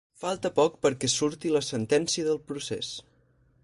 Falta poc perquè surti la sentència del procés